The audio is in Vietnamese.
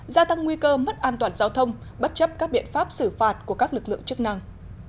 gia tăng nguy cơ mất an toàn giao thông bất chấp các biện pháp xử phạt của các lực lượng chức năng